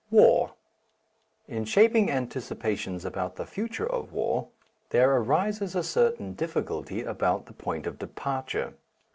VI WAR In shaping anticipations of the future of war there arises a certain difficulty about the point of departure.